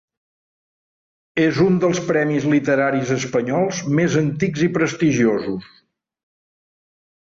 És un dels premis literaris espanyols més antics i prestigiosos.